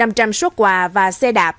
còn trao hơn năm trăm linh xuất quà và xe đạp